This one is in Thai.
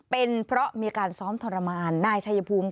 เป็นเพราะมีการซ้อมทรมานนายชัยภูมิ